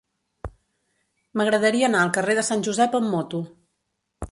M'agradaria anar al carrer de Sant Josep amb moto.